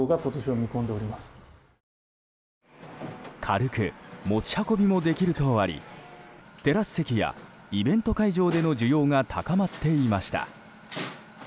軽く、持ち運びもできるとありテラス席やイベント会場での需要が高まっていました。